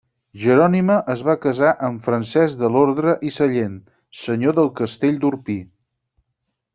Jerònima es va casar amb Francesc de l'Orde i Sallent, senyor del Castell d'Orpí.